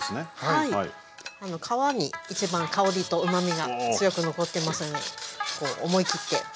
皮に一番香りとうまみが強く残ってますので思い切って。